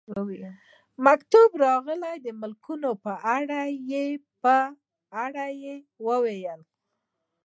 مکتوب راغلی د ملکانو په اړه، یې په اړه وویل.